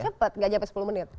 cepat gak sampai sepuluh menit